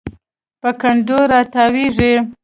په کنډو راتاویږي